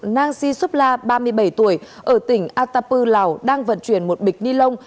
nang si sopla ba mươi bảy tuổi ở tỉnh atapu lào đang vận chuyển một bịch ni lông